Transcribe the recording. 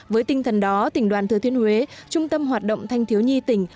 với tinh thần đó tỉnh đoàn thừa thiên huế trung tâm hoạt động thanh thiếu nhi tỉnh